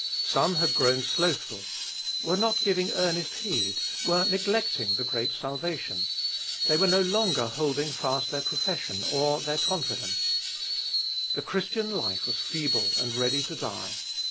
Some had grown "slothful," were "not giving earnest heed," were "neglecting the great salvation." They were no longer " holding fast their profession " or " their confidence." The Chris tian life was feeble and ready to die.